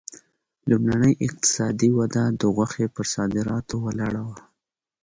لومړنۍ اقتصادي وده د غوښې پر صادراتو ولاړه وه.